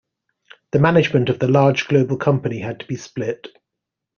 The management of the large global company had to be split.